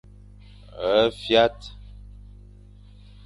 A fuat.